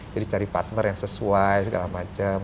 jadi cari partner yang sesuai segala macem